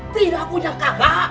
tidak punya kakak